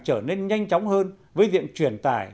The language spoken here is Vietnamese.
trở nên nhanh chóng hơn với diện truyền tải